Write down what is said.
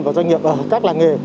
và doanh nghiệp các làng nghề